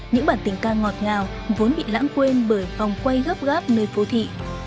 những bản tình ca ngọt ngào vốn bị lãng quên bởi vòng quay gấp gáp nơi phố thị